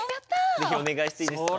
是非お願いしていいですか？